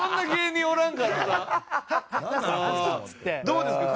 どうですか？